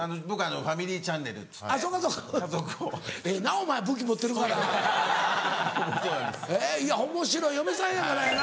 おもしろい嫁さんやからやな。